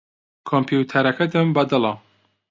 کۆمپیوتەرەکەتم بەدڵە.